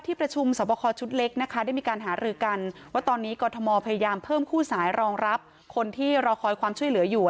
ประชุมสอบคอชุดเล็กนะคะได้มีการหารือกันว่าตอนนี้กรทมพยายามเพิ่มคู่สายรองรับคนที่รอคอยความช่วยเหลืออยู่